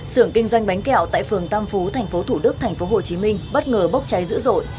sưởng kinh doanh bánh kẹo tại phường tam phú tp thủ đức tp hcm bất ngờ bốc cháy dữ dội